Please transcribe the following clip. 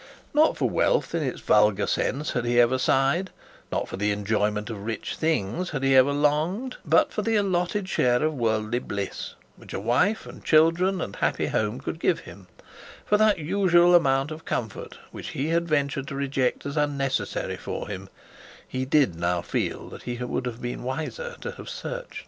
Not for wealth, in its vulgar sense, had he ever sighed; not for the enjoyment of rich things had he ever longed; but for the allotted share of worldly bliss, which a wife, and children, and happy home could give him, for that usual amount of comfort which he had ventured to reject as unnecessary for him, he did now feel that he would have been wiser to search.